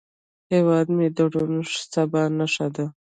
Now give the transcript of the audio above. هیواد مې د روڼ سبا نښه ده